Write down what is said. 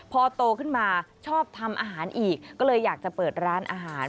พอโตขึ้นมาชอบทำอาหารอีกก็เลยอยากจะเปิดร้านอาหาร